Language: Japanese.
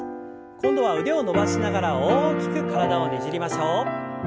今度は腕を伸ばしながら大きく体をねじりましょう。